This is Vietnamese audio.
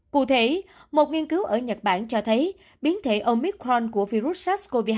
cụ thể một nghiên cứu ở nhật bản cho thấy biến thể omicron của virus sars cov hai